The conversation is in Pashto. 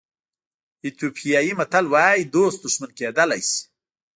ایتیوپیایي متل وایي دوست دښمن کېدلی شي.